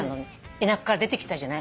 田舎から出てきたじゃない。